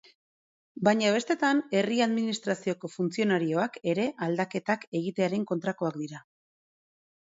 Baina bestetan herri administrazioko funtzionarioak ere aldaketak egitearen kontrakoak dira.